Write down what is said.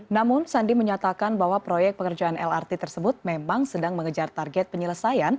namun sandi menyatakan bahwa proyek pengerjaan lrt tersebut memang sedang mengejar target penyelesaian